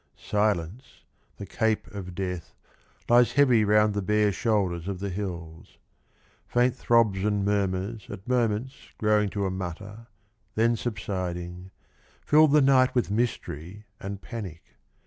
Silence, the cape of Death, lies heavy Round the bare shoulders of the hills. Faint throbs and murmurs At moments growing to a mutter, then subsiding, Fill the night with mystery and panic.